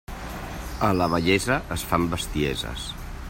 A la vellesa es fan bestieses.